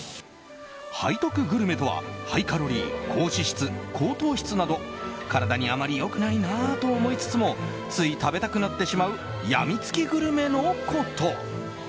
背徳グルメとは、ハイカロリー高脂質、高糖質など体にあまり良くないなと思いつつもつい食べたくなってしまう病みつきグルメのこと。